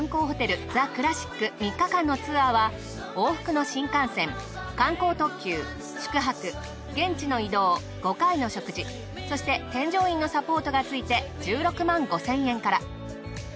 ホテルザクラシック３日間のツアーは往復の新幹線観光特急宿泊現地の移動５回の食事そして添乗員のサポートがついて１６５，０００円から。